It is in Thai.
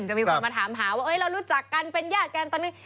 จะมีคนมาถามหาว่าเรารู้จักกันเป็นญาติกันตอนนี้